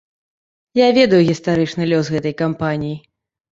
Я ведаю гістарычны лёс гэтай кампаніі.